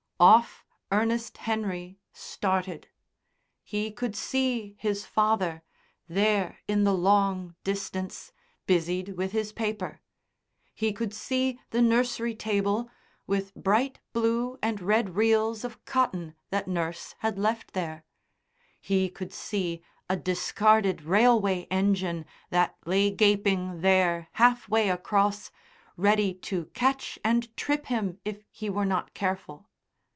Off Ernest Henry started. He could see his father, there in the long distance, busied with his paper; he could see the nursery table, with bright blue and red reels of cotton that nurse had left there; he could see a discarded railway engine that lay gaping there half way across, ready to catch and trip him if he were not careful.